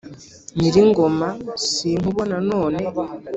nyiringoma sinkubona none